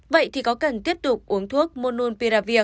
vậy thì có cần tiếp tục uống thuốc monopiravir